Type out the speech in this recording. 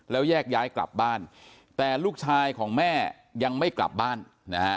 แล้วแยกย้ายกลับบ้านแต่ลูกชายของแม่ยังไม่กลับบ้านนะฮะ